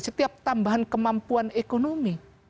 setiap tambahan kemampuan ekonomi